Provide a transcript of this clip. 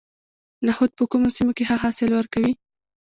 نخود په کومو سیمو کې ښه حاصل ورکوي؟